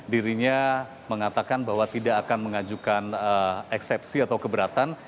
dirinya mengatakan bahwa tidak akan mengajukan eksepsi atau keberatan